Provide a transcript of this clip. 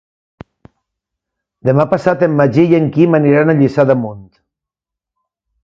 Demà passat en Magí i en Quim aniran a Lliçà d'Amunt.